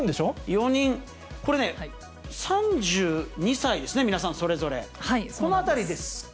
４人、これね、３２歳ですね、皆さんそれぞれ、そのあたりですか？